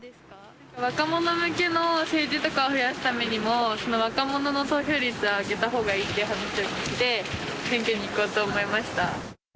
若者向けの政治とかを増やすためにも、若者の投票率を上げたほうがいいって話を聞いて、選挙に行こうと思いました。